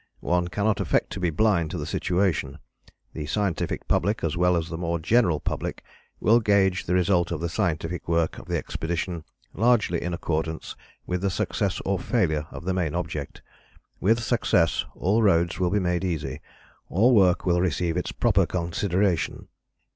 One cannot affect to be blind to the situation: the scientific public, as well as the more general public, will gauge the result of the scientific work of the Expedition largely in accordance with the success or failure of the main object. With success all roads will be made easy, all work will receive its proper consideration.